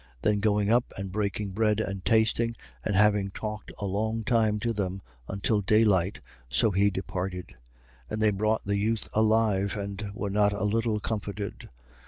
20:11. Then going up and breaking bread and tasting and having talked a long time to them, until daylight, so he departed. 20:12. And they brought the youth alive and were not a little comforted.